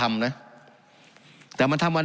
การปรับปรุงทางพื้นฐานสนามบิน